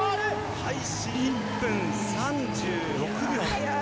開始１分３６秒。